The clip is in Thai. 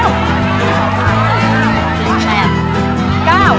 ปีหน้าหนูต้อง๖ขวบให้ได้นะลูก